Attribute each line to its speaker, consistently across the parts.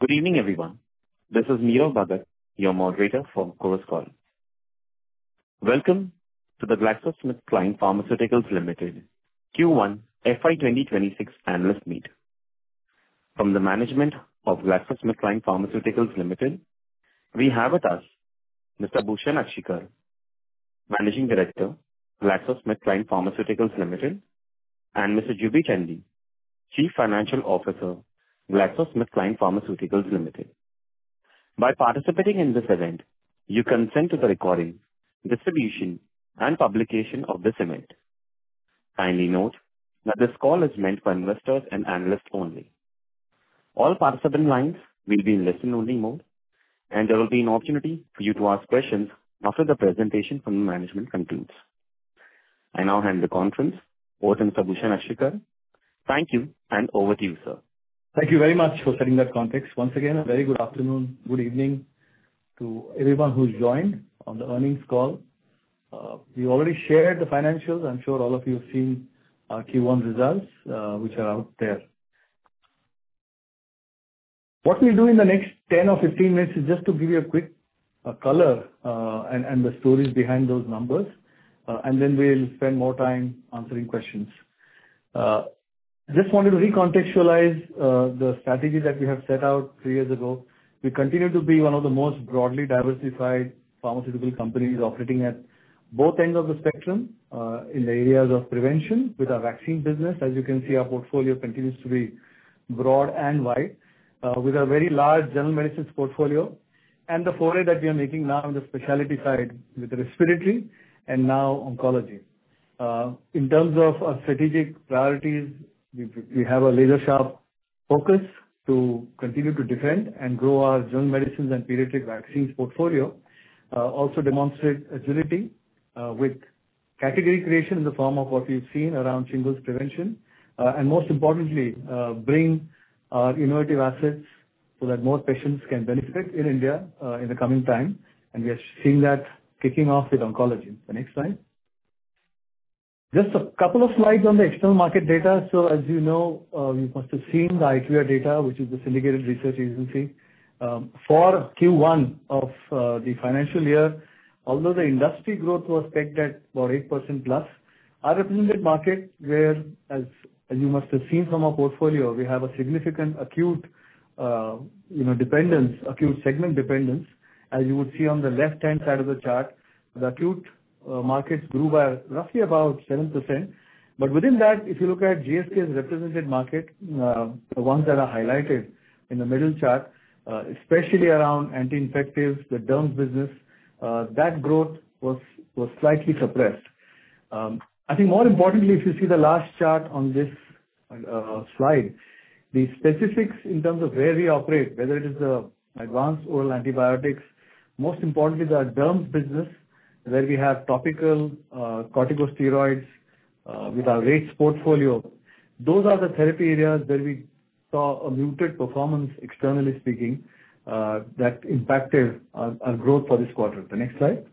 Speaker 1: Good evening, everyone. This is Neerav Bhagat, your Moderator for the Chorus Call. Welcome to the GlaxoSmithKline Pharmaceuticals Limited Q1 FY 2026 analyst meet. From the management of GlaxoSmithKline Pharmaceuticals Limited, we have with us Mr. Bhushan Akshikar, Managing Director, GlaxoSmithKline Pharmaceuticals Limited, and Mr. Juby Chandy, Chief Financial Officer, GlaxoSmithKline Pharmaceuticals Limited. By participating in this event, you consent to the recording, distribution, and publication of this event. Kindly note that this call is meant for investors and analysts only. All participant lines will be in listen-only mode, and there will be an opportunity for you to ask questions after the presentation from the management concludes. I now hand the conference over to Mr. Bhushan Akshikar. Thank you, and over to you, sir.
Speaker 2: Thank you very much for setting that context. Once again, a very good afternoon, good evening to everyone who's joined on the earnings call. We already shared the financials. I'm sure all of you have seen our Q1 results, which are out there. What we'll do in the next 10 or 15 minutes is just to give you a quick color and the stories behind those numbers, and then we'll spend more time answering questions. Just wanted to recontextualize the strategy that we have set out three years ago. We continue to be one of the most broadly diversified pharmaceutical companies operating at both ends of the spectrum in the areas of prevention with our vaccine business. As you can see, our portfolio continues to be broad and wide, with General Medicines portfolio and the foray that we are making now in the Specialty side with respiratory and now oncology. In terms of our strategic priorities, we have a laser-sharp focus to continue to defend General Medicines and pediatric vaccines portfolio, also demonstrate agility with category creation in the form of what you've seen around shingles prevention, and most importantly, bring our innovative assets so that more patients can benefit in India in the coming time, and we are seeing that kicking off with oncology. Next slide. Just a couple of slides on the external market data. So, as you know, you must have seen the IQVIA data, which is the syndicated research agency. For Q1 of the financial year, although the industry growth was pegged at about 8%+, our representative market, as you must have seen from our portfolio, we have a significant acute dependence, acute segment dependence, as you would see on the left-hand side of the chart. The acute markets grew by roughly about 7%. But within that, if you look at GSK's representative market, the ones that are highlighted in the middle chart, especially around anti-infectives, the derm business, that growth was slightly suppressed. I think more importantly, if you see the last chart on this slide, the specifics in terms of where we operate, whether it is the advanced oral antibiotics, most importantly, the derm business, where we have topical corticosteroids with our Vx portfolio, those are the therapy areas where we saw a muted performance, externally speaking, that impacted our growth for this quarter. The next slide.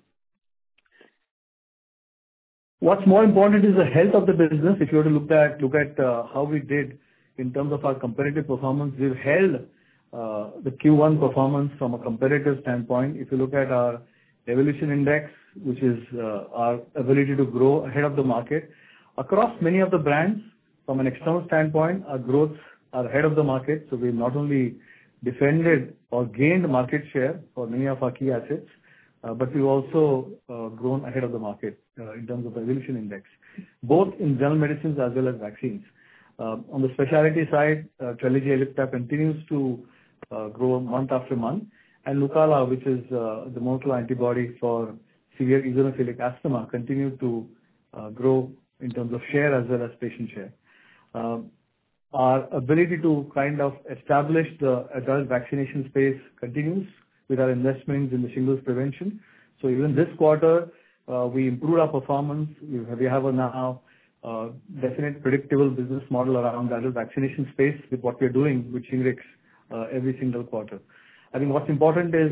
Speaker 2: What's more important is the health of the business. If you were to look at how we did in terms of our competitive performance, we've held the Q1 performance from a competitive standpoint. If you look at our evolution index, which is our ability to grow ahead of the market across many of the brands, from an external standpoint, our growth is ahead of the market. So we not only defended or gained market share for many of our key assets, but we've also grown ahead of the market in terms of evolution General Medicines as well as Vaccines. On the Specialty side, Trelegy Ellipta continues to grow month after month, and Nucala, which is the monoclonal antibody for severe eosinophilic asthma, continued to grow in terms of share as well as patient share. Our ability to kind of establish the adult vaccination space continues with our investments in the shingles prevention. So even this quarter, we improved our performance. We have now a definite predictable business model around adult vaccination space with what we are doing, which increases every single quarter. I think what's important is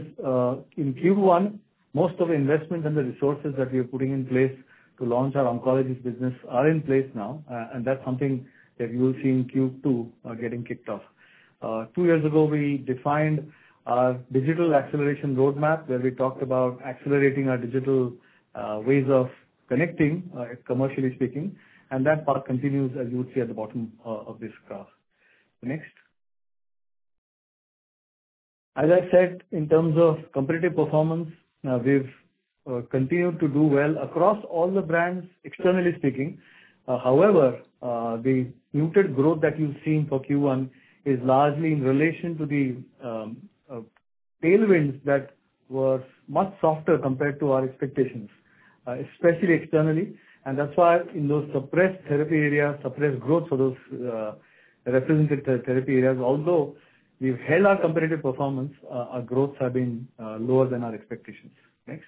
Speaker 2: in Q1, most of the investment and the resources that we are putting in place to launch our oncology business are in place now, and that's something that you will see in Q2 getting kicked off. Two years ago, we defined our digital acceleration roadmap, where we talked about accelerating our digital ways of connecting, commercially speaking, and that part continues, as you would see at the bottom of this graph. Next. As I said, in terms of competitive performance, we've continued to do well across all the brands, externally speaking. However, the muted growth that you've seen for Q1 is largely in relation to the tailwinds that were much softer compared to our expectations, especially externally, and that's why in those suppressed therapy areas, suppressed growth for those representative therapy areas, although we've held our competitive performance, our growth has been lower than our expectations. Next.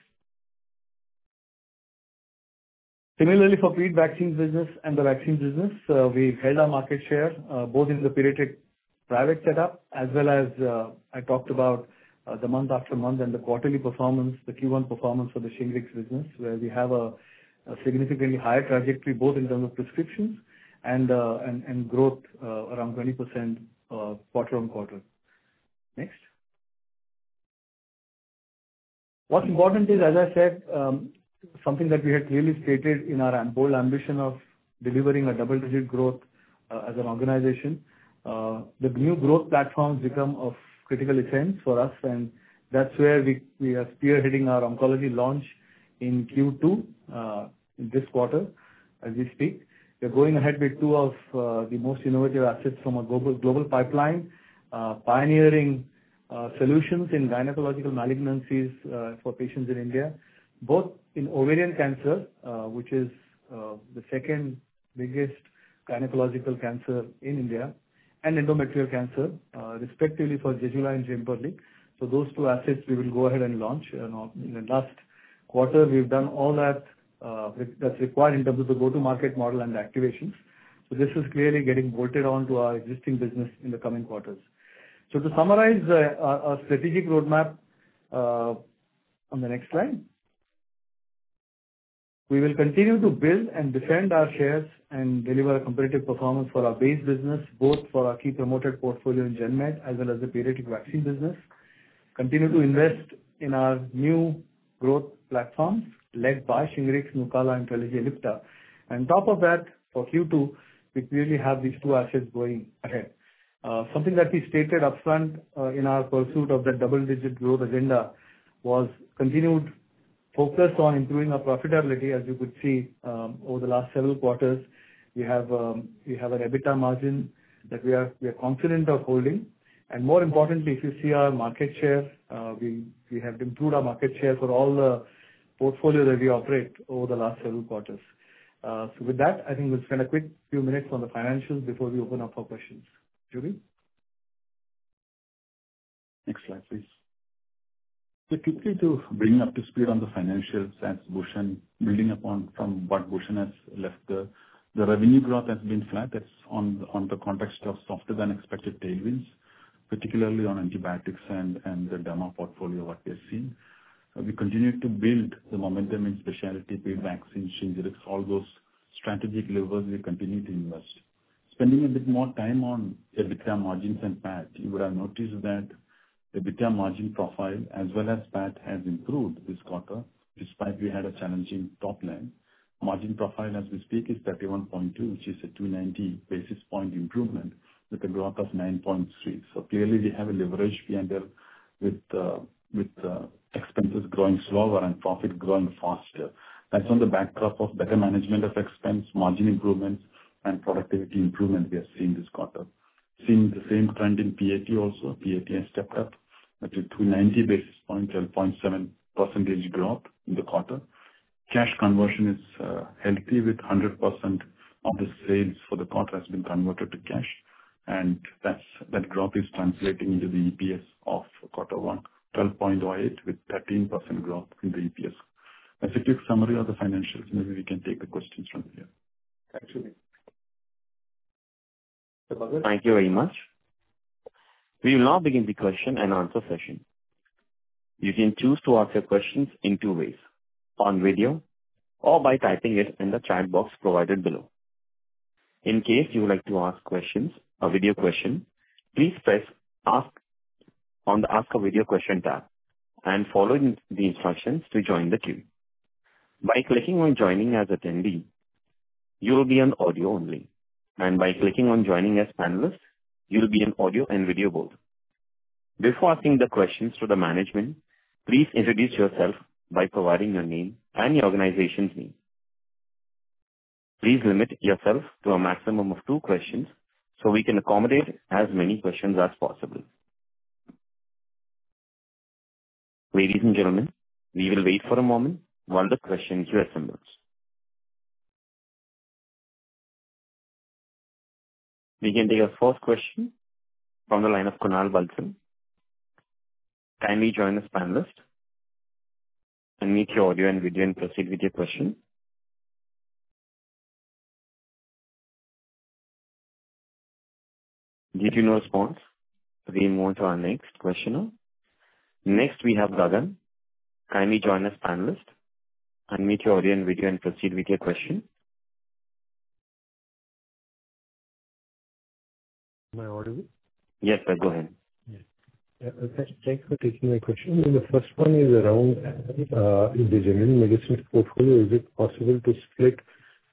Speaker 2: Similarly, for the pre-vaccine business and the vaccine business, we've held our market share both in the pediatric private setup, as well as I talked about the month after month and the quarterly performance, the Q1 performance for the Shingrix business, where we have a significantly higher trajectory both in terms of prescriptions and growth around 20% quarter-on-quarter. Next. What's important is, as I said, something that we had clearly stated in our bold ambition of delivering a double-digit growth as an organization. The new growth platforms become of critical essence for us, and that's where we are spearheading our oncology launch in Q2 this quarter as we speak. We're going ahead with two of the most innovative assets from a global pipeline, pioneering solutions in gynecological malignancies for patients in India, both in ovarian cancer, which is the second biggest gynecological cancer in India, and endometrial cancer, respectively for Zejula and Jemperli. So those two assets we will go ahead and launch. In the last quarter, we've done all that that's required in terms of the go-to-market model and activations. So this is clearly getting bolted onto our existing business in the coming quarters. To summarize our strategic roadmap, on the next slide, we will continue to build and defend our shares and deliver a competitive performance for our base business, both for our key promoted portfolio in Gen Med as well as the Pediatric Vaccine business, continue to invest in our new growth platforms led by Shingrix, Nucala, and Trelegy Ellipta. And on top of that, for Q2, we clearly have these two assets going ahead. Something that we stated upfront in our pursuit of the double-digit growth agenda was continued focus on improving our profitability, as you could see over the last several quarters. We have an EBITDA margin that we are confident of holding. And more importantly, if you see our market share, we have improved our market share for all the portfolio that we operate over the last several quarters. So with that, I think we'll spend a quick few minutes on the financials before we open up for questions. Juby?
Speaker 3: Next slide, please, so quickly to bring up to speed on the financials, as Bhushan building upon from what Bhushan has left, the revenue growth has been flat. That's on the context of softer than expected tailwinds, particularly on antibiotics and the derma portfolio, what we have seen. We continue to build the momentum in Specialty pre-vaccine, Shingrix, all those strategic levers we continue to invest. Spending a bit more time on EBITDA margins and PAT, you would have noticed that EBITDA margin profile, as well as PAT, has improved this quarter, despite we had a challenging top-line. Margin profile, as we speak, is 31.2, which is a 290 basis point improvement with a growth of 9.3, so clearly, we have a leverage behind it with expenses growing slower and profit growing faster. That's on the backdrop of better management of expense, margin improvements, and productivity improvement we have seen this quarter. Seeing the same trend in PAT also. PAT has stepped up to 290 basis points, 12.7% growth in the quarter. Cash conversion is healthy with 100% of the sales for the quarter has been converted to cash, and that growth is translating into the EPS of quarter one, 12.08 with 13% growth in the EPS. That's a quick summary of the financials. Maybe we can take the questions from here.
Speaker 1: Thank you very much. We will now begin the question-and-answer session. You can choose to ask your questions in two ways: on video or by typing it in the chat box provided below. In case you would like to ask a video question, please press Ask on the Ask a Video Question tab and follow the instructions to join the queue. By clicking on Joining as Attendee, you will be on audio only, and by clicking on Joining as Panelist, you will be on audio and video both. Before asking the questions to the management, please introduce yourself by providing your name and your organization's name. Please limit yourself to a maximum of two questions so we can accommodate as many questions as possible. Ladies and gentlemen, we will wait for a moment while the questions are assembled. We can take our first question from the line of Kunal Bansal. Can we join as panelist and unmute your audio and video and proceed with your question? No response? We move on to our next questioner. Next, we have Gagan. Can we join as panelist and unmute your audio and video and proceed with your question?
Speaker 4: Am I audible?
Speaker 1: Yes, sir. Go ahead.
Speaker 4: Yeah. Thanks for taking my question. The first one General Medicine portfolio. is it possible to split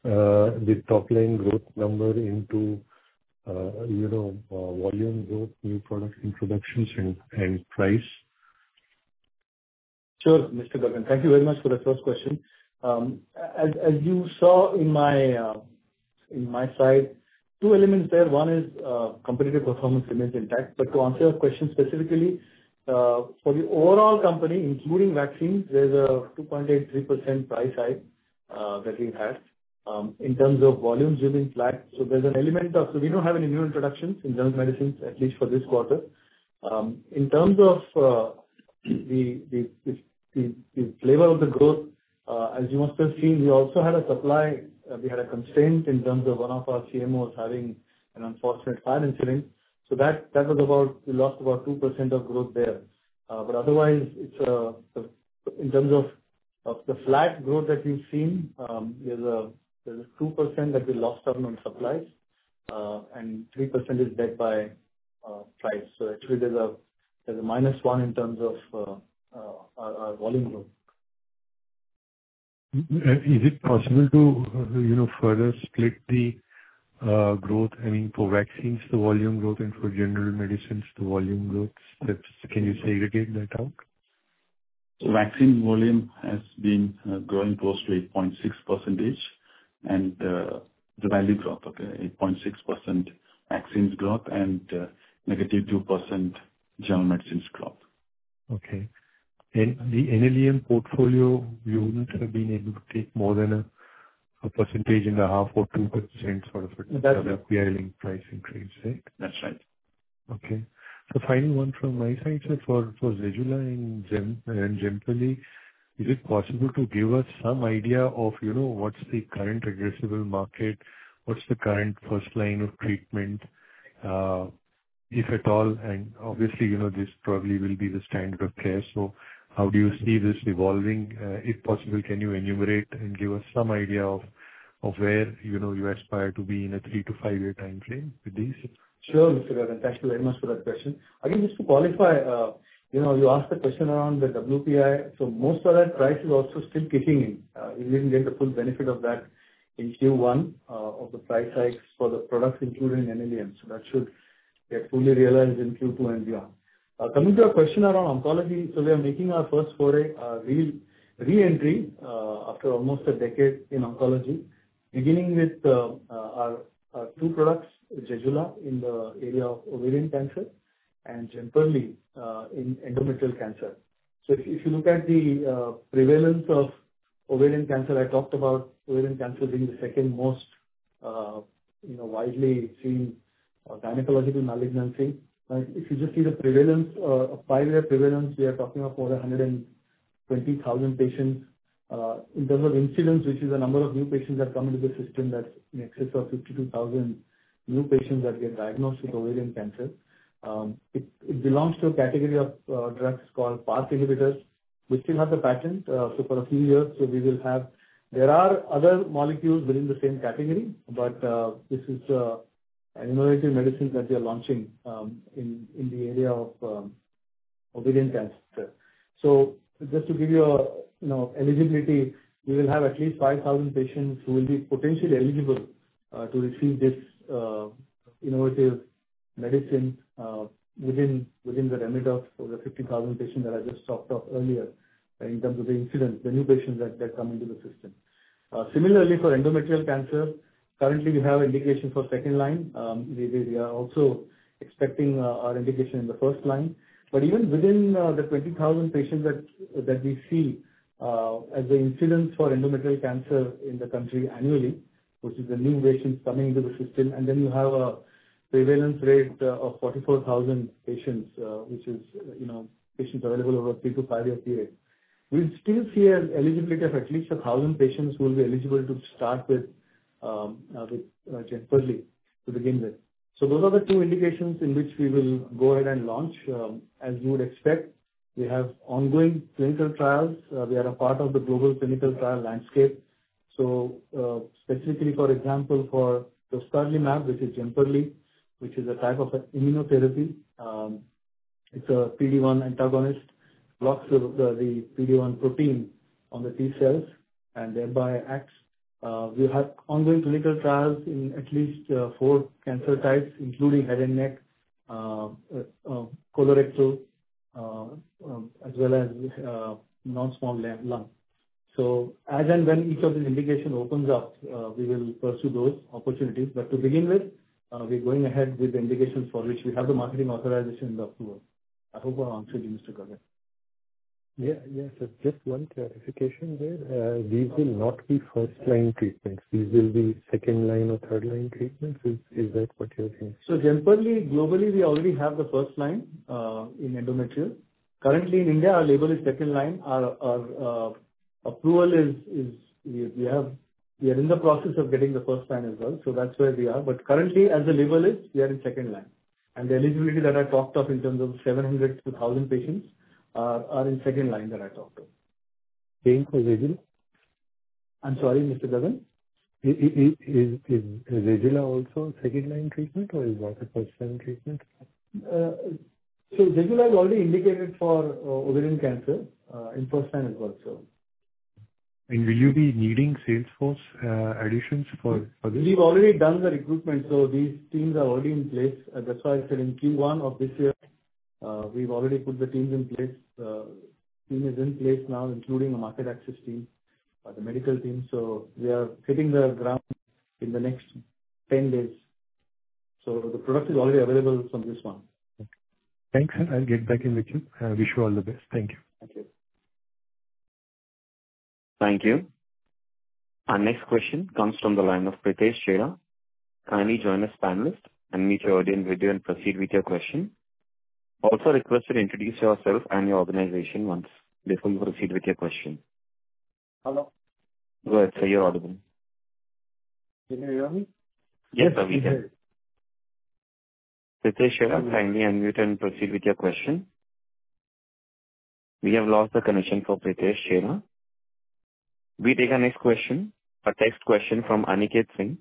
Speaker 4: the top-line growth number into volume growth, new product introductions, and price?
Speaker 2: Sure, Mr. Gagan. Thank you very much for the first question. As you saw in my slide, two elements there. One is competitive performance remains intact. But to answer your question specifically, for the overall company, including vaccines, there's a 2.83% price hike that we've had in terms of volume remains flat. So there's an element of so we don't have any General Medicines, at least for this quarter. In terms of the flavor of the growth, as you must have seen, we also had a supply. We had a constraint in terms of one of our CMOs having an unfortunate fire incident. So that was about we lost about 2% of growth there. But otherwise, in terms of the flat growth that you've seen, there's a 2% that we lost on supplies, and 3% is driven by price. Actually, there's a -1 in terms of our volume growth.
Speaker 4: Is it possible to further split the growth? I mean, for Vaccines, the volume General Medicines, the volume growth. Can you segregate that out?
Speaker 2: So, Vaccine volume has been growing close to 8.6% each, and the value growth, okay, 8.6% Vaccines growth and General Medicines growth.
Speaker 4: Okay. And the NLEM portfolio, you wouldn't have been able to take more than 1.5% or 2% sort of annual price increase, right?
Speaker 2: That's right.
Speaker 4: Okay. So final one from my side, sir, for Zejula and Jemperli, is it possible to give us some idea of what's the current addressable market? What's the current first line of treatment, if at all? And obviously, this probably will be the standard of care. So how do you see this evolving? If possible, can you enumerate and give us some idea of where you aspire to be in a three- to five-year timeframe with these?
Speaker 2: Sure, Mr. Gagan. Thank you very much for that question. Again, just to qualify, you asked the question around the WPI. So most of that price is also still kicking in. We didn't get the full benefit of that in Q1 of the price hikes for the products included in NLEMs. So that should get fully realized in Q2 and beyond. Coming to your question around oncology, so we are making our first foray re-entry after almost a decade in oncology, beginning with our two products, Zejula, in the area of ovarian cancer, and Jemperli in endometrial cancer. So if you look at the prevalence of ovarian cancer, I talked about ovarian cancer being the second most widely seen gynecological malignancy. If you just see the prevalence, five-year prevalence, we are talking about more than 120,000 patients. In terms of incidence, which is the number of new patients that come into the system, that's in excess of 52,000 new patients that get diagnosed with ovarian cancer. It belongs to a category of drugs called PARP inhibitors. We still have the patent for a few years. There are other molecules within the same category, but this is an innovative medicine that we are launching in the area of ovarian cancer. So just to give you eligibility, we will have at least 5,000 patients who will be potentially eligible to receive this innovative medicine within the remit of the 50,000 patients that I just talked of earlier in terms of the incidence, the new patients that come into the system. Similarly, for endometrial cancer, currently, we have indication for second line. We are also expecting our indication in the first line. But even within the 20,000 patients that we see as the incidence for endometrial cancer in the country annually, which is the new patients coming into the system, and then you have a prevalence rate of 44,000 patients, which is patients available over a three- to five-year period, we'd still see an eligibility of at least 1,000 patients who will be eligible to start with Jemperli to begin with. So those are the two indications in which we will go ahead and launch. As you would expect, we have ongoing clinical trials. We are a part of the global clinical trial landscape. So specifically, for example, for the dostarlimab, which is Jemperli, which is a type of immunotherapy, it's a PD-1 antagonist, blocks the PD-1 protein on the T cells and thereby acts. We have ongoing clinical trials in at least four cancer types, including head and neck, colorectal, as well as non-small cell lung, so as and when each of these indications opens up, we will pursue those opportunities, but to begin with, we're going ahead with the indications for which we have the marketing authorization in the field. I hope I answered you, Mr. Gagan.
Speaker 4: Yeah. Yeah, sir. Just one clarification there. These will not be first-line treatments. These will be second-line or third-line treatments. Is that what you're saying?
Speaker 2: Jemperli, globally, we already have the first line in endometrial. Currently, in India, our label is second line. Our approval is we are in the process of getting the first line as well. So that's where we are. But currently, as the label is, we are in second line. And the eligibility that I talked of in terms of 700-1,000 patients are in second line that I talked of.
Speaker 4: Same for Zejula?
Speaker 2: I'm sorry, Mr. Gagan?
Speaker 4: Is Zejula also a second-line treatment, or is that a first-line treatment?
Speaker 2: Zejula is already indicated for ovarian cancer in first line as well.
Speaker 4: Will you be needing sales force additions for this?
Speaker 2: We've already done the recruitment. So these teams are already in place. That's why I said in Q1 of this year, we've already put the teams in place. Team is in place now, including a market access team, the medical team. So we are hitting the ground in the next 10 days. So the product is already available from this month.
Speaker 4: Thanks. I'll get back in with you. I wish you all the best. Thank you.
Speaker 2: Thank you.
Speaker 1: Thank you. Our next question comes from the line of Pritesh Chheda. Kindly join as panelist and mute your audio and video and proceed with your question. Also requested to introduce yourself and your organization once before you proceed with your question. Hello. Go ahead. So you're audible. Can you hear me? Yes, sir. We can. Okay. Pritesh Chheda, kindly unmute and proceed with your question. We have lost the connection for Pritesh Chheda. We take our next question, a text question from Aniket Singh.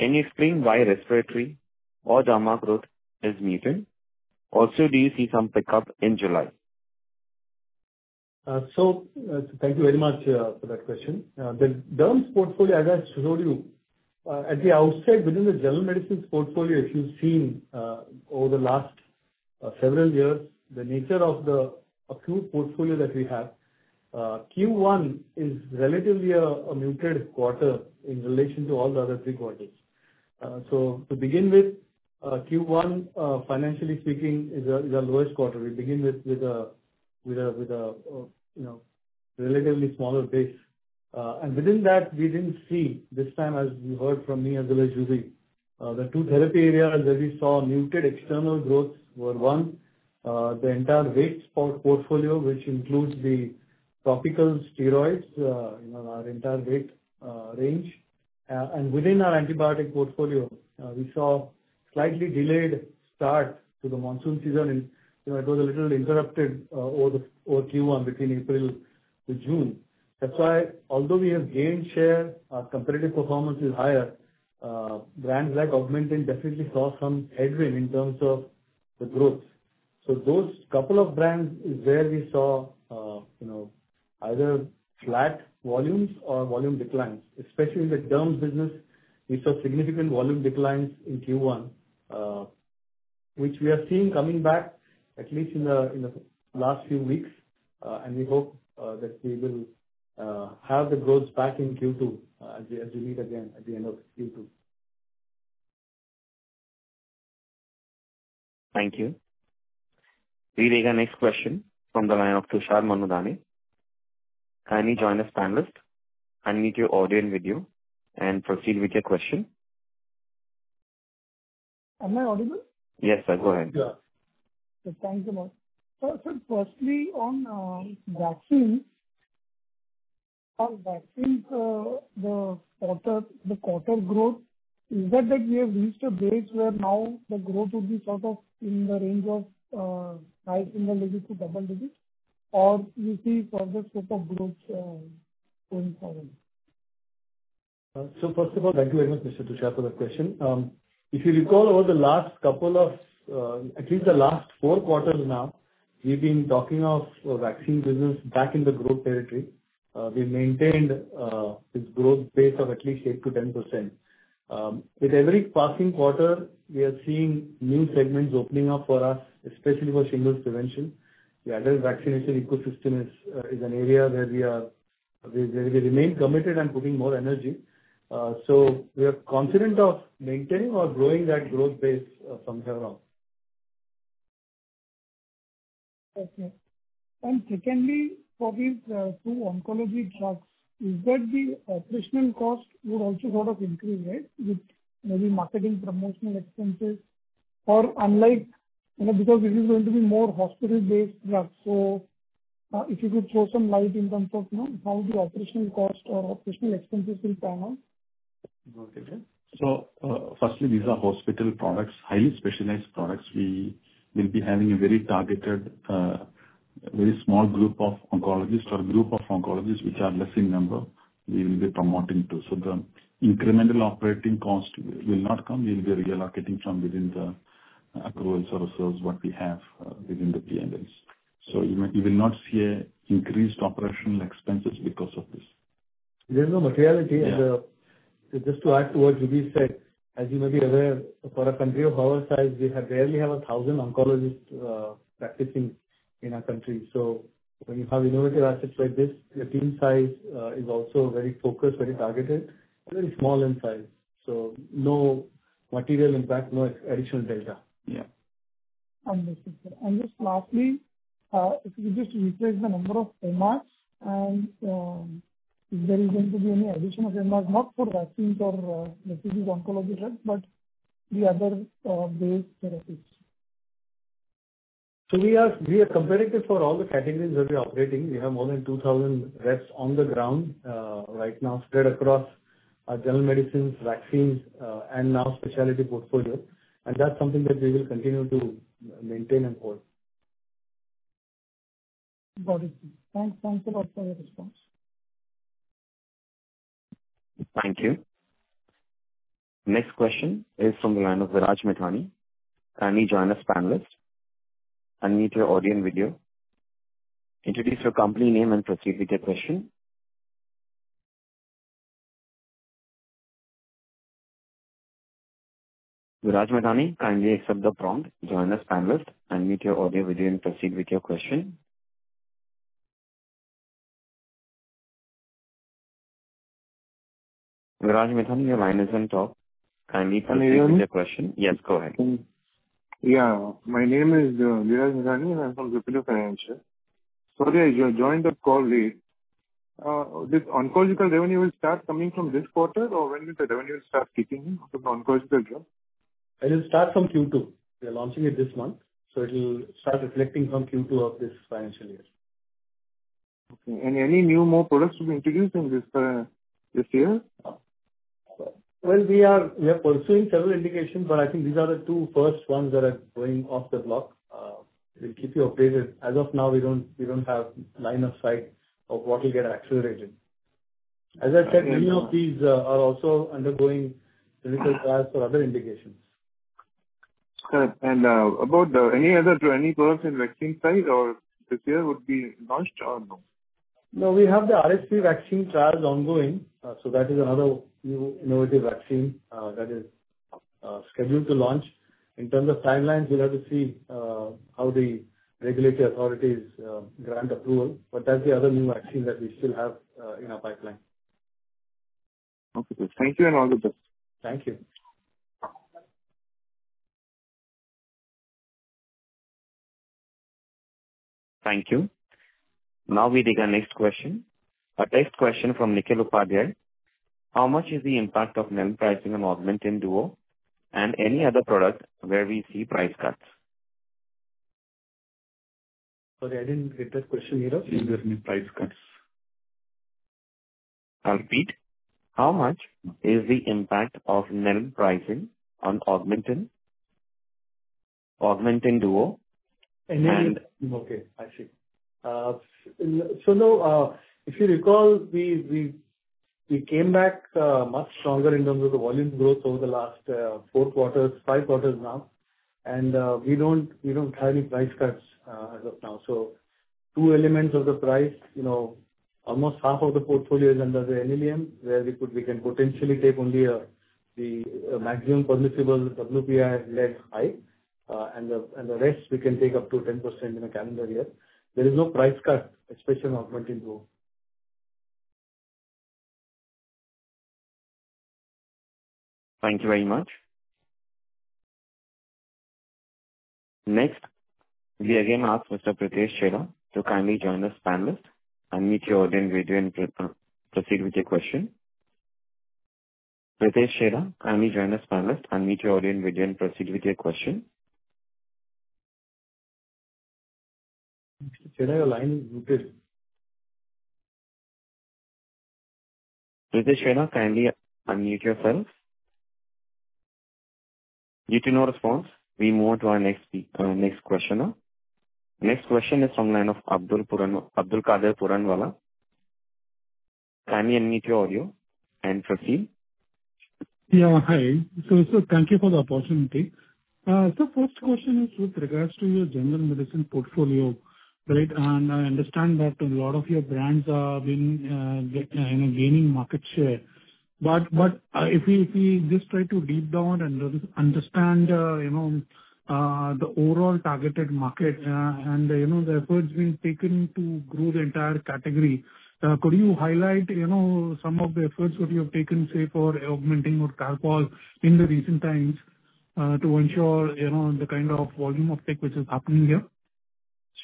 Speaker 1: Can you explain why respiratory or derma growth is muted? Also, do you see some pickup in July?
Speaker 2: So thank you very much for that question. The derm's portfolio, as I showed you, at the General Medicines portfolio, if you've seen over the last several years, the nature of the acute portfolio that we have, Q1 is relatively a muted quarter in relation to all the other three quarters. So to begin with, Q1, financially speaking, is our lowest quarter. We begin with a relatively smaller base. And within that, we didn't see this time, as you heard from me as well as you, the two therapy areas that we saw muted external growths were one, the entire derm portfolio, which includes the topical steroids, our entire derm range. And within our antibiotic portfolio, we saw a slightly delayed start to the monsoon season. And it was a little interrupted over Q1 between April to June. That's why, although we have gained share, our competitive performance is higher. Brands like Augmentin definitely saw some headwind in terms of the growth. So those couple of brands is where we saw either flat volumes or volume declines, especially in the derm business. We saw significant volume declines in Q1, which we are seeing coming back, at least in the last few weeks, and we hope that we will have the growth back in Q2 as we meet again at the end of Q2.
Speaker 1: Thank you. We take our next question from the line of Tushar Manudhane. Kindly join as panelist. I'll mute your audio and video and proceed with your question.
Speaker 5: Am I audible?
Speaker 1: Yes, sir. Go ahead.
Speaker 2: Yeah.
Speaker 5: So thank you much. So firstly, on Vaccines, the quarter growth, is that we have reached a base where now the growth would be sort of in the range of five single digit to double digit? Or do you see further scope of growth going forward?
Speaker 2: So first of all, thank you very much, Mr. Tushar, for that question. If you recall, over the last couple of, at least the last four quarters now, we've been talking of vaccine business back in the growth territory. We maintained this growth base of at least 8%-10%. With every passing quarter, we are seeing new segments opening up for us, especially for shingles prevention. The adult vaccination ecosystem is an area where we remain committed and putting more energy. So we are confident of maintaining or growing that growth base from here on.
Speaker 5: Okay. And secondly, for these two oncology drugs, is that the operational cost would also sort of increase, right, with maybe marketing promotional expenses? Or unlike because this is going to be more hospital-based drugs. So if you could throw some light in terms of how the operational cost or operational expenses will pan out.
Speaker 3: Okay. So firstly, these are hospital products, highly specialized products. We will be having a very targeted, very small group of oncologists or a group of oncologists which are less in number. We will be promoting too. So the incremental operating cost will not come. We will be reallocating from within the accrual source of what we have within the P&Ls. So you will not see increased operational expenses because of this.
Speaker 2: There's no materiality. And just to add to what Juby said, as you may be aware, for a country of our size, we rarely have 1,000 oncologists practicing in our country. So when you have innovative assets like this, the team size is also very focused, very targeted, and very small in size. So no material impact, no additional data.
Speaker 3: Yeah.
Speaker 5: Understood. And just lastly, if you could just replace the number of MRs, and if there is going to be any addition of MRs, not for vaccines or oncology drugs, but the other base therapies.
Speaker 2: So we are competitive for all the categories that we are operating. We have more than 2,000 reps on the ground right General Medicines, vaccines, and now Specialty portfolio. And that's something that we will continue to maintain and hold.
Speaker 5: Got it. Thanks. Thanks a lot for your response.
Speaker 1: Thank you. Next question is from the line of Viraj Mithani. Kindly join as panelist. Unmute your audio and video. Introduce your company name and proceed with your question. Viraj Mithani, kindly accept the prompt. Join as panelist. Unmute your audio and video and proceed with your question. Viraj Mithani, your line is on top. Kindly continue with your question. Yes, go ahead.
Speaker 6: Yeah. My name is Viraj Mithani, and I'm from Jupiter Financial. Sorry, I joined the call late. This oncological revenue will start coming from this quarter, or when will the revenue start kicking in for the oncological drug?
Speaker 2: It will start from Q2. We are launching it this month. So it will start reflecting from Q2 of this financial year.
Speaker 6: Okay. And any new more products to be introduced in this year?
Speaker 2: We are pursuing several indications, but I think these are the two first ones that are going off the block. We'll keep you updated. As of now, we don't have line of sight of what will get accelerated. As I said, many of these are also undergoing clinical trials for other indications.
Speaker 6: And about any other new products in Vaccine side, or this year would be launched or no?
Speaker 2: No, we have the RSV vaccine trials ongoing. So that is another new innovative vaccine that is scheduled to launch. In terms of timelines, we'll have to see how the regulatory authorities grant approval. But that's the other new vaccine that we still have in our pipeline.
Speaker 6: Okay. Thank you and all the best.
Speaker 2: Thank you.
Speaker 1: Thank you. Now we take our next question. Our next question from Nikhil Upadhyay. How much is the impact of NLEM pricing on Augmentin Duo and any other product where we see price cuts?
Speaker 2: Sorry, I didn't get that question here.
Speaker 3: So, there's been price cuts.
Speaker 1: I'll repeat. How much is the impact of NLEM pricing on Augmentin Duo and?
Speaker 2: Okay. I see. So no, if you recall, we came back much stronger in terms of the volume growth over the last four quarters, five quarters now. And we don't have any price cuts as of now. So two elements of the price, almost half of the portfolio is under the NLEM, where we can potentially take only the maximum permissible WPI-led hike. And the rest, we can take up to 10% in a calendar year. There is no price cut, especially on Augmentin Duo.
Speaker 1: Thank you very much. Next, we again ask Mr. Pritesh Chheda to kindly join as panelist. Unmute your audio and video and proceed with your question. Pritesh Chheda, kindly join as panelist. Unmute your audio and video and proceed with your question.
Speaker 2: Chheda, your line is muted.
Speaker 1: Pritesh Chheda, kindly unmute yourself. Due to no response, we move on to our next questioner. Next question is from the line of Abdulkader Puranwala. Kindly unmute your audio and proceed.
Speaker 7: Yeah. Hi. So thank you for the opportunity. So first question is with General Medicine portfolio, right? and I understand that a lot of your brands are gaining market share. But if we just try to drill down and understand the overall target market and the efforts being taken to grow the entire category, could you highlight some of the efforts that you have taken, say, for Augmentin or Calpol in the recent times to ensure the kind of volume uptake which is happening here?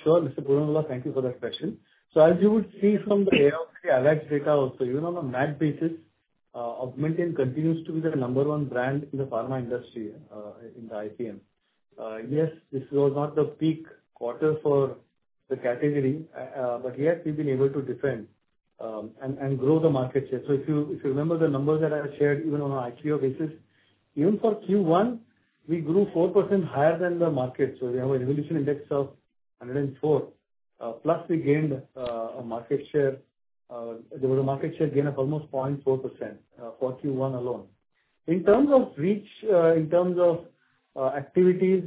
Speaker 2: Sure. Mr. Puranwala, thank you for that question. So as you would see from the AIOCD AWACS data also, even on a MAT basis, Augmentin continues to be the number one brand in the pharma industry in the IPM. Yes, this was not the peak quarter for the category, but yet, we've been able to defend and grow the market share. So if you remember the numbers that I shared, even on an IPO basis, even for Q1, we grew 4% higher than the market. So we have an evolution index of 104. Plus, we gained a market share. There was a market share gain of almost 0.4% for Q1 alone. In terms of reach, in terms of activities,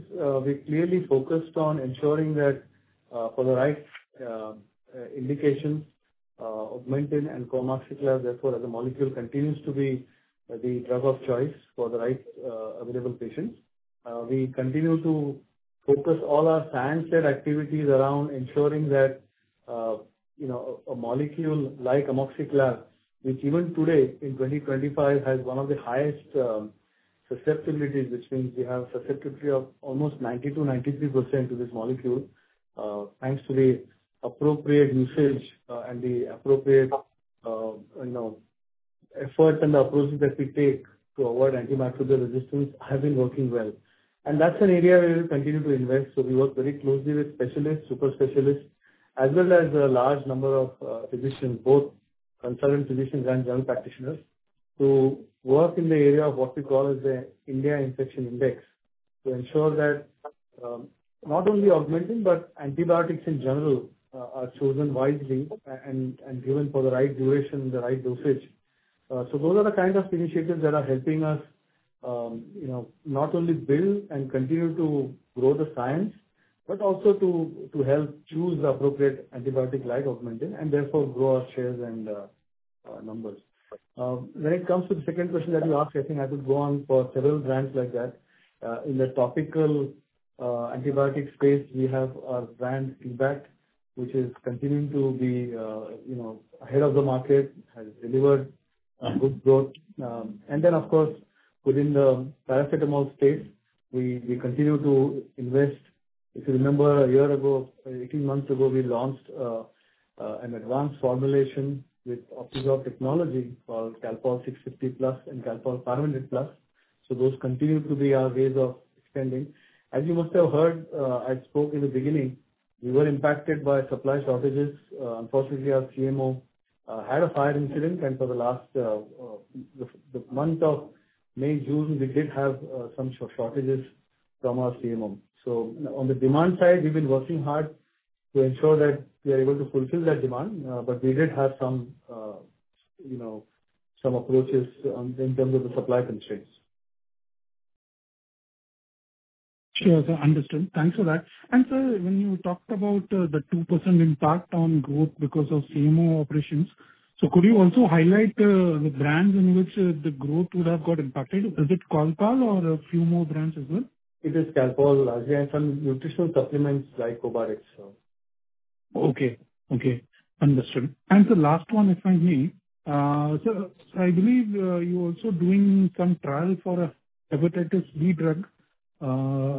Speaker 2: we clearly focused on ensuring that for the right indications, Augmentin and co-amoxiclav, therefore, as a molecule, continues to be the drug of choice for the right available patients. We continue to focus all our science-led activities around ensuring that a molecule like amoxiclav, which even today in 2025 has one of the highest susceptibilities, which means we have susceptibility of almost 90%-93% to this molecule, thanks to the appropriate usage and the appropriate effort and the approaches that we take to avoid antimicrobial resistance have been working well. And that's an area where we continue to invest. So we work very closely with specialists, super specialists, as well as a large number of physicians, both consultant physicians and general practitioners, to work in the area of what we call as the India Infection Index to ensure that not only Augmentin, but antibiotics in general are chosen wisely and given for the right duration and the right dosage. Those are the kind of initiatives that are helping us not only build and continue to grow the science, but also to help choose the appropriate antibiotic like Augmentin and therefore grow our shares and numbers. When it comes to the second question that you asked, I think I could go on for several brands like that. In the topical antibiotic space, we have our brand, T-Bact, which is continuing to be ahead of the market, has delivered good growth. And then, of course, within the paracetamol space, we continue to invest. If you remember, a year ago, 18 months ago, we launched an advanced formulation with Optizorb technology called Calpol 650 Plus and Calpol 500 Plus. So those continue to be our ways of extending. As you must have heard, I spoke in the beginning, we were impacted by supply shortages. Unfortunately, our CMO had a fire incident, and for the last month of May, June, we did have some shortages from our CMO. So on the demand side, we've been working hard to ensure that we are able to fulfill that demand, but we did have some approaches in terms of the supply constraints.
Speaker 7: Sure. So understood. Thanks for that. And sir, when you talked about the 2% impact on growth because of CMO operations, so could you also highlight the brands in which the growth would have got impacted? Is it Calpol or a few more brands as well?
Speaker 2: It is Calpol largely and some nutritional supplements like Cobadex.
Speaker 7: Okay. Okay. Understood. And the last one, if I may, sir, I believe you're also doing some trial for a hepatitis B drug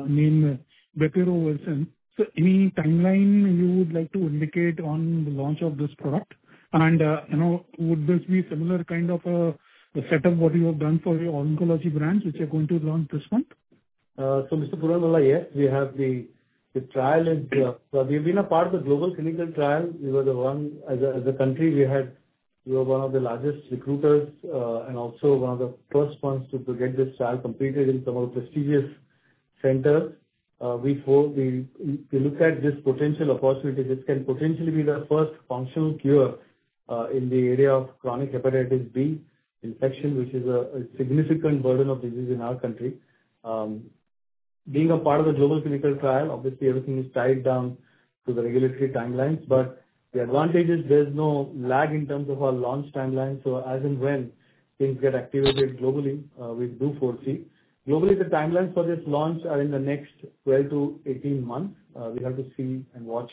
Speaker 7: named Bepirovirsen. So any timeline you would like to indicate on the launch of this product? And would this be a similar kind of a setup what you have done for your oncology brands which are going to launch this month?
Speaker 2: Mr. Puranwala, yes, we have. The trial is we've been a part of the global clinical trial. We were the one. As a country, we were one of the largest recruiters and also one of the first ones to get this trial completed in some of the prestigious centers. We looked at this potential opportunity. This can potentially be the first functional cure in the area of chronic hepatitis B infection, which is a significant burden of disease in our country. Being a part of the global clinical trial, obviously, everything is tied down to the regulatory timelines. But the advantage is there's no lag in terms of our launch timelines. So as and when things get activated globally, we do foresee. Globally, the timelines for this launch are in the next 12-18 months. We have to see and watch.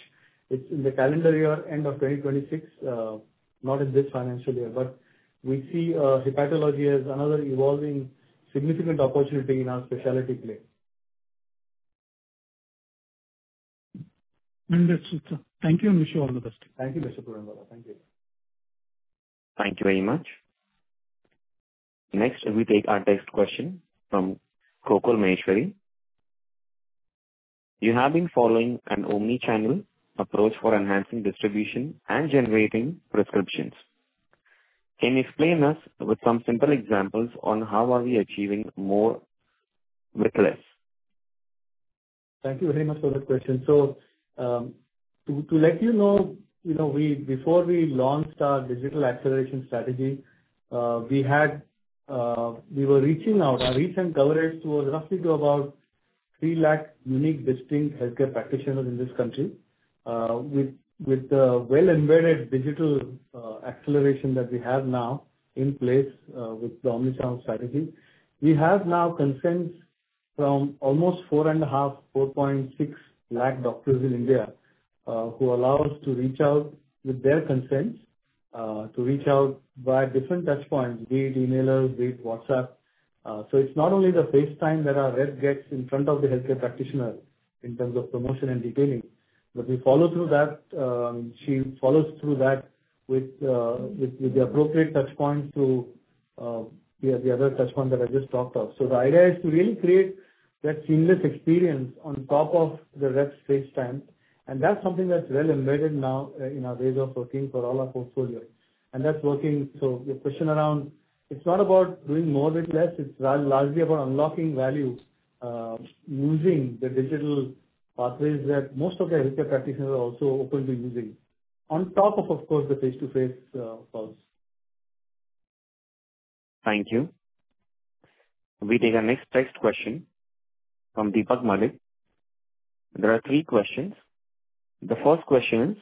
Speaker 2: It's in the calendar year end of 2026, not in this financial year, but we see hepatology as another evolving, significant opportunity in our Specialty play.
Speaker 7: Understood, sir. Thank you and wish you all the best.
Speaker 2: Thank you, Mr. Puranwala. Thank you.
Speaker 1: Thank you very much. Next, we take our next question from Gokul Maheshwari. You have been following an omnichannel approach for enhancing distribution and generating prescriptions. Can you explain to us with some simple examples on how are we achieving more with less?
Speaker 2: Thank you very much for that question. So to let you know, before we launched our digital acceleration strategy, we were reaching out. Our recent coverage was roughly to about 3 lakh unique distinct healthcare practitioners in this country. With the well-embedded digital acceleration that we have now in place with the omnichannel strategy, we have now consents from almost 4.5, 4.6 lakh doctors in India who allow us to reach out with their consents, to reach out via different touchpoints, be it emailers, be it WhatsApp. So it's not only the FaceTime that our rep gets in front of the healthcare practitioner in terms of promotion and detailing, but we follow through that. She follows through that with the appropriate touchpoints to the other touchpoints that I just talked of. So the idea is to really create that seamless experience on top of the rep's FaceTime. And that's something that's well embedded now in our ways of working for all our portfolio. And that's working. So the question around it's not about doing more with less. It's largely about unlocking value using the digital pathways that most of the healthcare practitioners are also open to using on top of, of course, the face-to-face calls.
Speaker 1: Thank you. We take our next question from Deepak Malik. There are three questions. The first question is,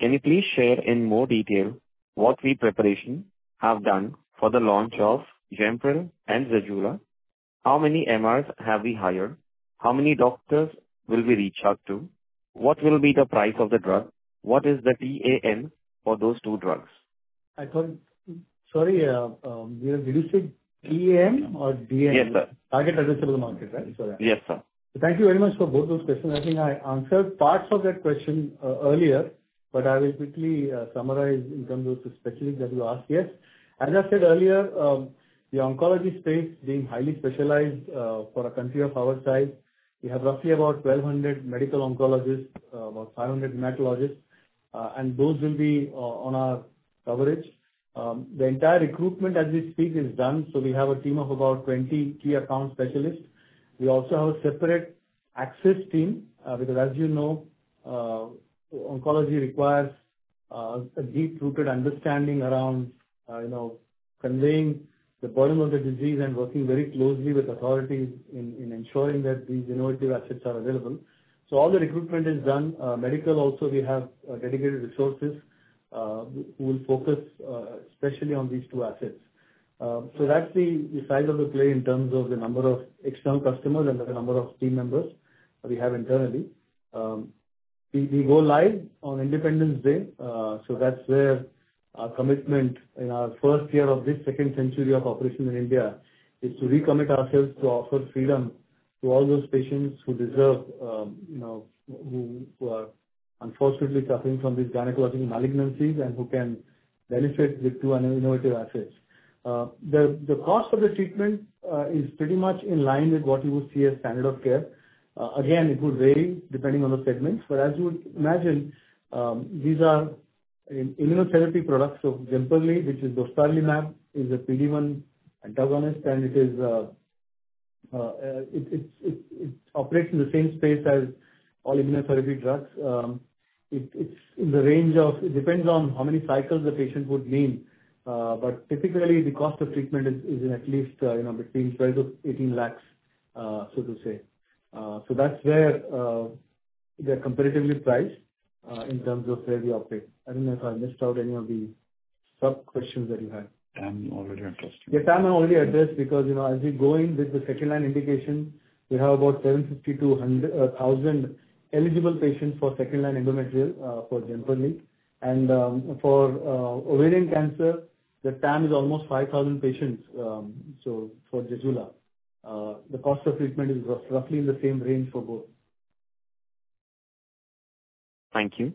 Speaker 1: can you please share in more detail what preparation we have done for the launch of Jemperli and Zejula? How many MRs have we hired? How many doctors will we reach out to? What will be the price of the drug? What is the TAM for those two drugs?
Speaker 2: Sorry, did you say TAM or DAM?
Speaker 1: Yes, sir.
Speaker 2: Total Addressable Market, right? Sorry.
Speaker 1: Yes, sir.
Speaker 2: Thank you very much for both those questions. I think I answered parts of that question earlier, but I will quickly summarize in terms of the specifics that you asked. Yes. As I said earlier, the oncology space being highly specialized for a country of our size, we have roughly about 1,200 medical oncologists, about 500 hematologists, and those will be on our coverage. The entire recruitment as we speak is done. So we have a team of about 20 key account specialists. We also have a separate access team because, as you know, oncology requires a deep-rooted understanding around conveying the burden of the disease and working very closely with authorities in ensuring that these innovative assets are available. So all the recruitment is done. Medical, also, we have dedicated resources who will focus especially on these two assets. So that's the size of the play in terms of the number of external customers and the number of team members we have internally. We go live on Independence Day. So that's where our commitment in our first year of this second century of operation in India is to recommit ourselves to offer freedom to all those patients who deserve, who are unfortunately suffering from these gynecological malignancies and who can benefit with two innovative assets. The cost of the treatment is pretty much in line with what you would see as standard of care. Again, it would vary depending on the segments. But as you would imagine, these are immunotherapy products. So Jemperli, which is dostarlimab, is a PD-1 antagonist, and it operates in the same space as all immunotherapy drugs. It's in the range of. It depends on how many cycles the patient would need. But typically, the cost of treatment is at least between 12 lakh to 18 lakh so to say. So that's where they're comparatively priced in terms of where we operate. I don't know if I missed out any of the sub-questions that you had.
Speaker 3: TAM, you already addressed.
Speaker 2: Yes, TAM. I already addressed because as we go in with the second-line indication, we have about 752,000 eligible patients for second-line endometrial for Jemperli. And for ovarian cancer, the TAM is almost 5,000 patients. So for Zejula, the cost of treatment is roughly in the same range for both.
Speaker 1: Thank you.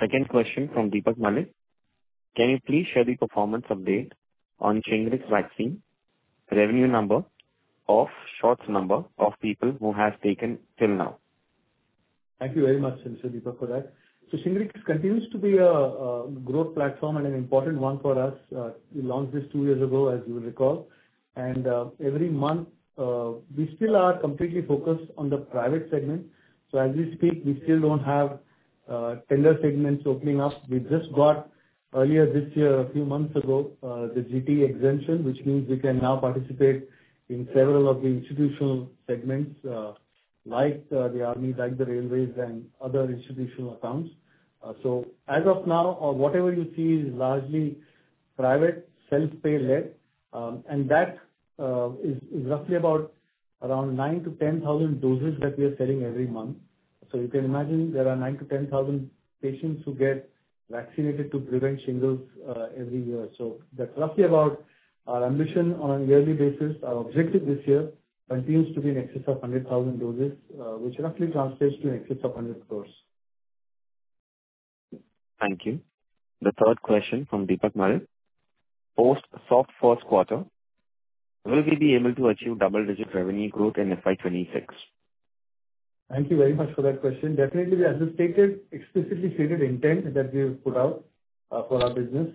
Speaker 1: Second question from Deepak Malik. Can you please share the performance update on Shingrix vaccine, revenue number, of shots, number of people who have taken till now?
Speaker 2: Thank you very much, Mr. Deepak, for that. Shingrix continues to be a growth platform and an important one for us. We launched this two years ago, as you will recall. Every month, we still are completely focused on the private segment. As we speak, we still don't have tender segments opening up. We just got earlier this year, a few months ago, the GST exemption, which means we can now participate in several of the institutional segments like the army, like the railways, and other institutional accounts. As of now, whatever you see is largely private, self-pay led. That is roughly about around 9,000-10,000 doses that we are selling every month. You can imagine there are 9,000-10,000 patients who get vaccinated to prevent shingles every year. That's roughly about our ambition on a yearly basis. Our objective this year continues to be in excess of 100,000 doses, which roughly translates to in excess of 100 crore.
Speaker 1: Thank you. The third question from Deepak Malik. Post soft first quarter, will we be able to achieve double-digit revenue growth in FY 2026?
Speaker 2: Thank you very much for that question. Definitely, we have the stated, explicitly stated intent that we have put out for our business.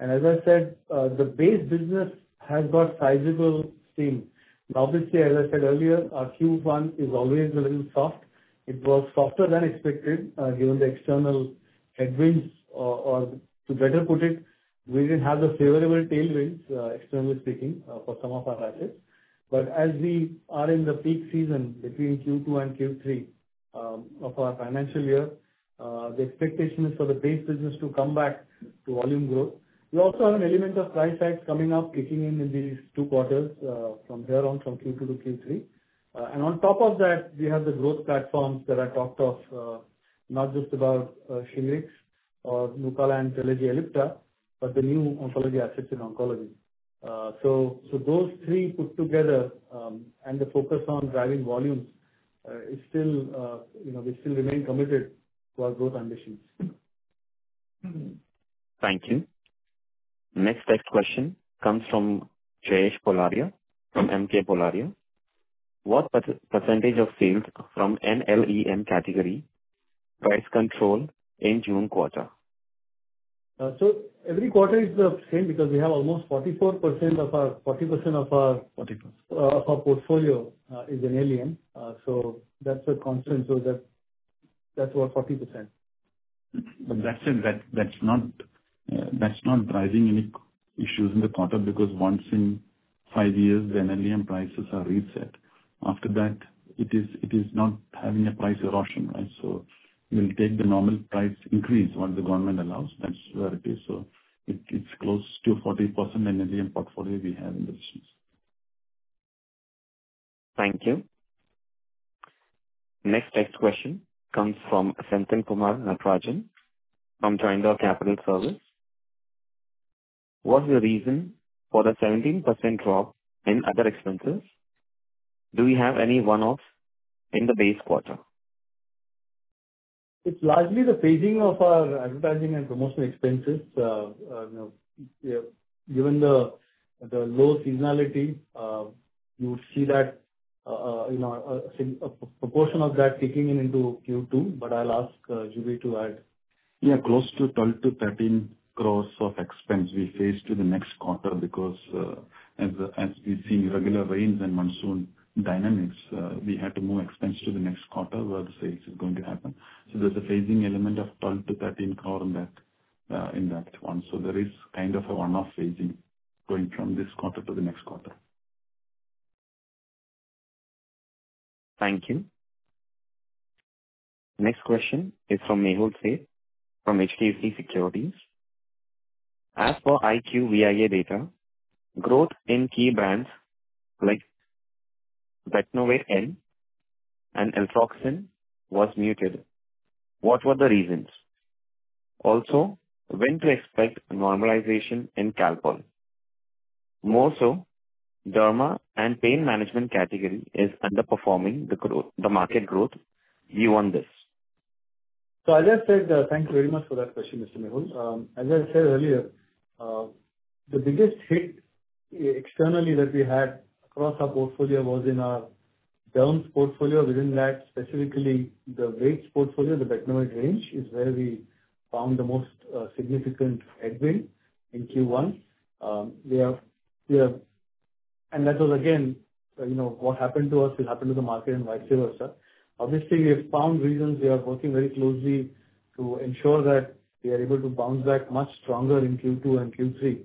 Speaker 2: And as I said, the base business has got sizable steam. Obviously, as I said earlier, our Q1 is always a little soft. It was softer than expected given the external headwinds or, to better put it, we didn't have the favorable tailwinds, externally speaking, for some of our assets. But as we are in the peak season between Q2 and Q3 of our financial year, the expectation is for the base business to come back to volume growth. We also have an element of price hikes coming up, kicking in in these two quarters from here on, from Q2 to Q3. And on top of that, we have the growth platforms that I talked of, not just about Shingrix or Nucala and Trelegy Ellipta, but the new oncology assets in oncology. So those three put together and the focus on driving volumes is still. We still remain committed to our growth ambitions.
Speaker 1: Thank you. Next question comes from Jayesh Poladia from M K Poladia. What percentage of sales from NLEM category price control in June quarter?
Speaker 2: So every quarter is the same because we have almost 44% of our 40% of our portfolio is in NLEM. So that's a constant. So that's about 40%.
Speaker 3: That's not driving any issues in the quarter because once in five years, the NLEM prices are reset. After that, it is not having a price erosion, right? So we'll take the normal price increase what the government allows. That's where it is. So it's close to 40% NLEM portfolio we have in the business.
Speaker 1: Thank you. Next question comes from Senthilkumar Natarajan from Joindre Capital Services. What's the reason for the 17% drop in other expenses? Do we have any one-offs in the base quarter?
Speaker 2: It's largely the phasing of our advertising and promotional expenses. Given the low seasonality, you would see that a proportion of that kicking in into Q2. But I'll ask Juby to add.
Speaker 3: Yeah, close to 12 crore-13 crore of expense we faced to the next quarter because as we've seen regular rains and monsoon dynamics, we had to move expense to the next quarter where the sales is going to happen. So there's a phasing element of 12 crore-13 crore in that one. So there is kind of a one-off phasing going from this quarter to the next quarter.
Speaker 1: Thank you. Next question is from Mehul Sheth from HDFC Securities. As for IQVIA data, growth in key brands like Betnovate-N and Eltroxin was muted. What were the reasons? Also, when to expect normalization in Calpol? More so, derma and pain management category is underperforming the market growth. You on this?
Speaker 2: So I just said thank you very much for that question, Mr. Mehul. As I said earlier, the biggest hit externally that we had across our portfolio was in our derms portfolio. Within that, specifically the Vx portfolio, the Betnovate range, is where we found the most significant headwind in Q1. And that was, again, what happened to us will happen to the market in vice versa. Obviously, we have found reasons. We are working very closely to ensure that we are able to bounce back much stronger in Q2 and Q3.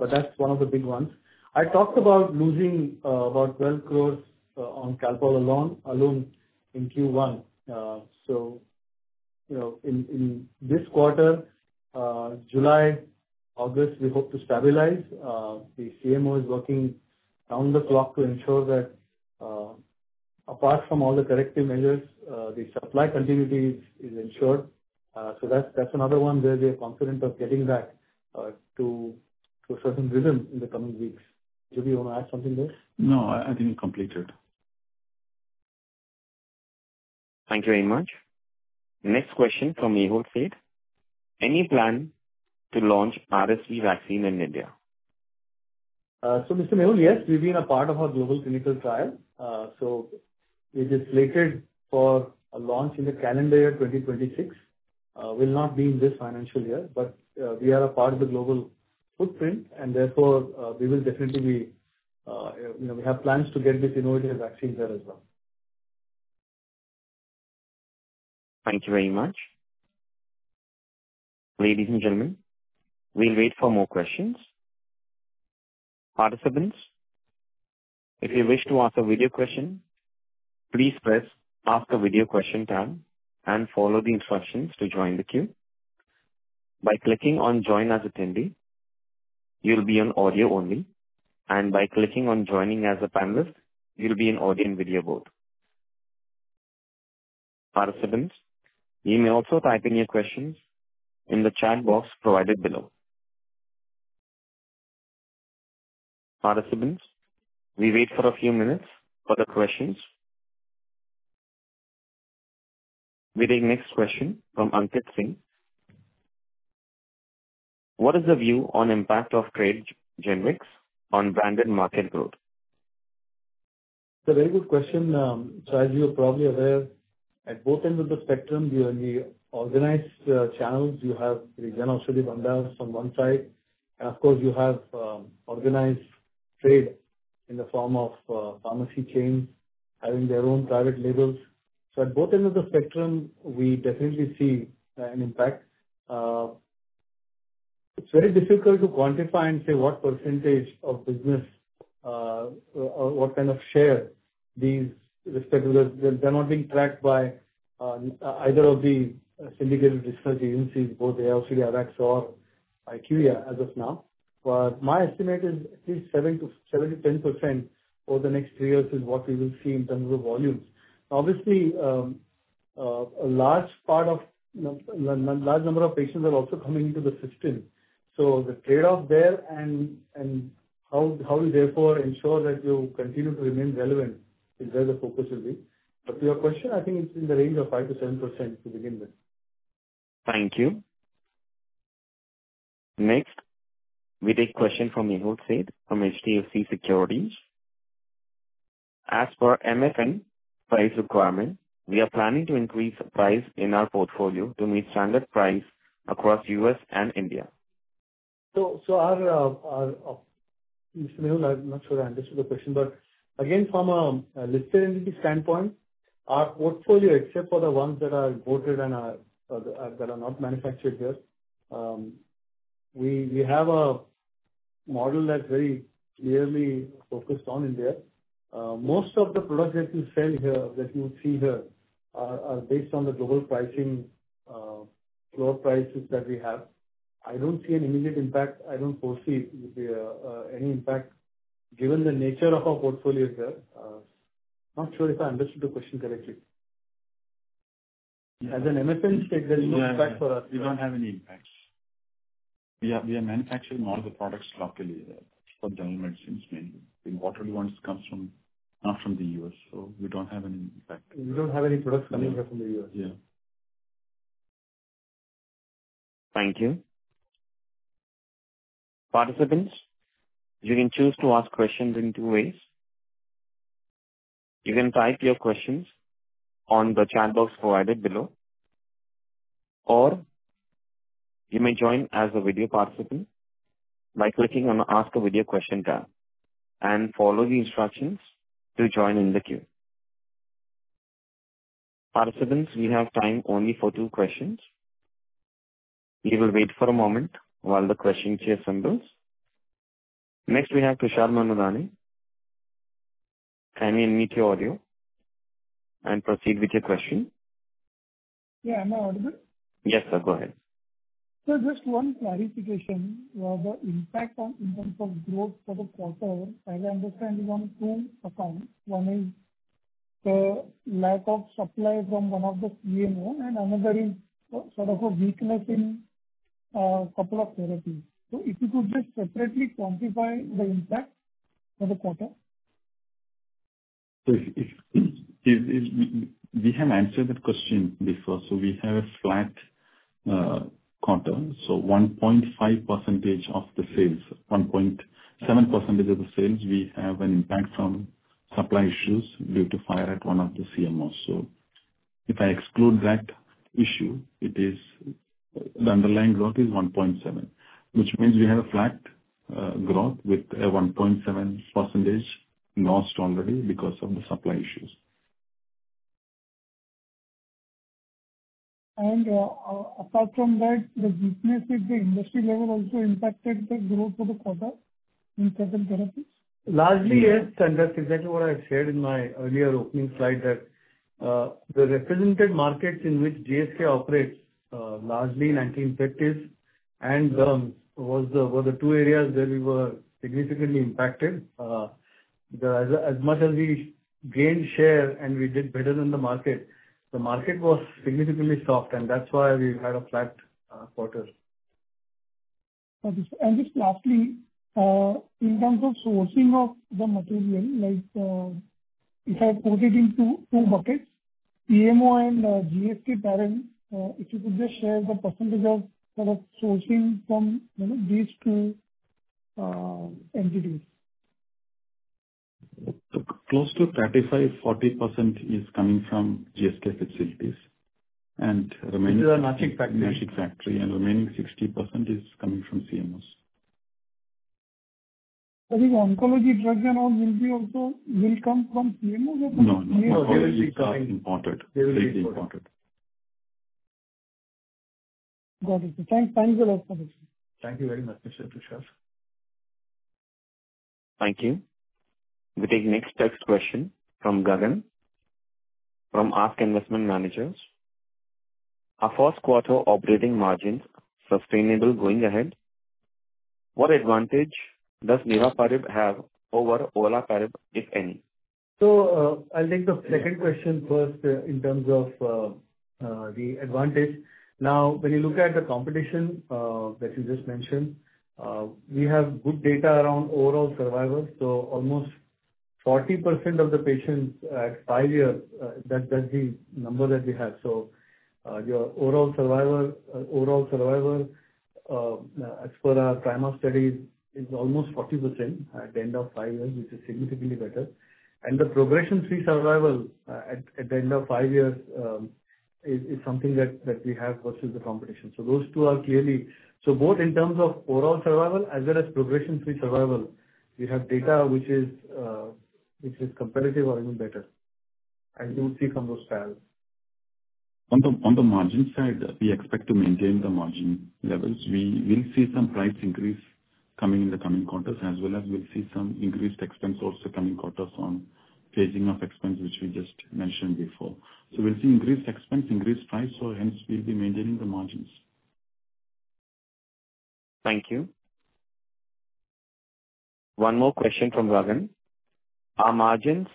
Speaker 2: But that's one of the big ones. I talked about losing about 12 crore on Calpol alone in Q1. So in this quarter, July, August, we hope to stabilize. The CMO is working round the clock to ensure that apart from all the corrective measures, the supply continuity is ensured. So that's another one where we are confident of getting that to a certain rhythm in the coming weeks. Juby, you want to add something there?
Speaker 3: No, I think you completed it.
Speaker 1: Thank you very much. Next question from Mehul Sheth. Any plan to launch RSV vaccine in India?
Speaker 2: Mr. Mehul, yes, we've been a part of a global clinical trial. It is slated for a launch in the calendar year 2026. We'll not be in this financial year, but we are a part of the global footprint. Therefore, we will definitely be. We have plans to get this innovative vaccine there as well.
Speaker 1: Thank you very much. Ladies and gentlemen, we'll wait for more questions. Participants, if you wish to ask a video question, please press Ask a Video Question tab and follow the instructions to join the queue. By clicking on Join as Attendee, you'll be on audio only, and by clicking on Join as a Panelist, you'll be in audio and video mode. Participants, you may also type in your questions in the chat box provided below. Participants, we wait for a few minutes for the questions. We take next question from Aniket Singh. What is the view on impact of trade generics on branded market growth?
Speaker 2: It's a very good question. So as you are probably aware, at both ends of the spectrum, the organized channels you have retailers on one side. And of course, you have organized trade in the form of pharmacy chains having their own private labels. So at both ends of the spectrum, we definitely see an impact. It's very difficult to quantify and say what percentage of business or what kind of share. These respectively they're not being tracked by either of the syndicated research agencies, both AIOCD AWACS or IQVIA as of now. But my estimate is at least 7%-10% over the next three years is what we will see in terms of volumes. Obviously, a large part of a large number of patients are also coming into the system. So the trade-off there and how you therefore ensure that you continue to remain relevant is where the focus will be. But to your question, I think it's in the range of 5%-7% to begin with.
Speaker 1: Thank you. Next, we take question from Mehul Sheth from HDFC Securities. As for MFN price requirement, we are planning to increase price in our portfolio to meet standard price across U.S. and India.
Speaker 2: So our Mr. Mehul, I'm not sure I understood the question. But again, from a listed entity standpoint, our portfolio, except for the ones that are imported and that are not manufactured here, we have a model that's very clearly focused on India. Most of the products that you sell here, that you would see here, are based on the global pricing, floor prices that we have. I don't see an immediate impact. I don't foresee any impact given the nature of our portfolio here. Not sure if I understood the question correctly. As an MFN, there's no impact for us.
Speaker 3: We don't have any impacts. We are manufacturing all the General Medicines, mainly. whatever ones come from, not from the U.S. So we don't have any impact.
Speaker 2: We don't have any products coming here from the U.S.
Speaker 3: Yeah.
Speaker 1: Thank you. Participants, you can choose to ask questions in two ways. You can type your questions on the chat box provided below, or you may join as a video participant by clicking on the Ask a Video Question tab and follow the instructions to join in the queue. Participants, we have time only for two questions. We will wait for a moment while the question queue assembles. Next, we have Tushar Manudhane. Can you unmute your audio and proceed with your question?
Speaker 5: Yeah. Am I audible?
Speaker 1: Yes, sir. Go ahead.
Speaker 5: Just one clarification about the impact on, in terms of growth for the quarter. As I understand, we had two headwinds. One is the lack of supply from one of the CMO and another is sort of a weakness in a couple of therapies. If you could just separately quantify the impact for the quarter.
Speaker 3: We have answered that question before, so we have a flat quarter, so 1.5% of the sales, 1.7% of the sales, we have an impact from supply issues due to fire at one of the CMOs, so if I exclude that issue, the underlying growth is 1.7, which means we have a flat growth with a 1.7% lost already because of the supply issues.
Speaker 5: Apart from that, the weakness in the industry level also impacted the growth of the quarter in certain therapies?
Speaker 2: Largely, yes. And that's exactly what I said in my earlier opening slide, that the represented markets in which GSK operates largely in anti-infectives and derms were the two areas where we were significantly impacted. As much as we gained share and we did better than the market, the market was significantly soft. And that's why we had a flat quarter.
Speaker 5: And just lastly, in terms of sourcing of the material, if I put it into two buckets, CMO and GSK parent, if you could just share the percentage of sort of sourcing from these two entities?
Speaker 3: Close to 35%-40% is coming from GSK facilities and remaining.
Speaker 2: This is a Nashik factory.
Speaker 3: Nashik factory. Remaining 60% is coming from CMOs.
Speaker 5: I think oncology drugs and all will also come from CMOs or from GSK?
Speaker 3: No, no, no. They will be imported. They will be imported.
Speaker 5: Got it. Thanks. Thanks a lot for this.
Speaker 2: Thank you very much, Mr. Tushar.
Speaker 1: Thank you. We take next question from Gagan from ASK Investment Managers. Our first quarter operating margin sustainable going ahead. What advantage does niraparib have over olaparib, if any?
Speaker 2: I'll take the second question first in terms of the advantage. Now, when you look at the competition that you just mentioned, we have good data around overall survival. Almost 40% of the patients at five years, that's the number that we have. Our overall survival, overall survival as per our PRIMA study, is almost 40% at the end of five years, which is significantly better. And the progression-free survival at the end of five years is something that we have versus the competition. Those two are clearly both in terms of overall survival as well as progression-free survival, we have data which is comparative or even better. As you will see from those trials.
Speaker 3: On the margin side, we expect to maintain the margin levels. We will see some price increase coming in the coming quarters as well as we'll see some increased expense also coming quarters on phasing of expense, which we just mentioned before. So we'll see increased expense, increased price, so hence we'll be maintaining the margins.
Speaker 1: Thank you. One more question from Gagan. Are margins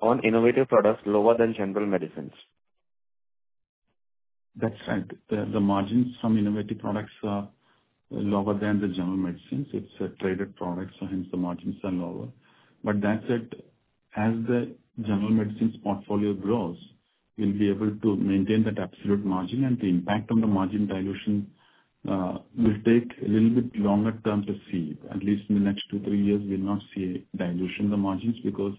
Speaker 1: on innovative products lower than General Medicines?
Speaker 3: That's right. The margins from innovative products are General Medicines. it's a traded product, so hence the margins are lower. But that General Medicines portfolio grows, we'll be able to maintain that absolute margin. And the impact on the margin dilution will take a little bit longer term to see. At least in the next two, three years, we'll not see a dilution of the margins because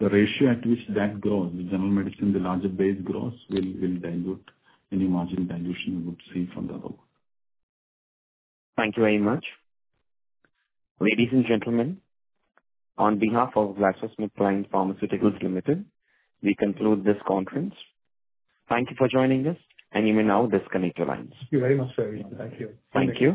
Speaker 3: the ratio at which General Medicine, the larger base growth will dilute any margin dilution we would see from the above.
Speaker 1: Thank you very much. Ladies and gentlemen, on behalf of GlaxoSmithKline Pharmaceuticals Limited, we conclude this conference. Thank you for joining us, and you may now disconnect your lines.
Speaker 2: Thank you very much, sir.
Speaker 3: Thank you.
Speaker 1: Thank you.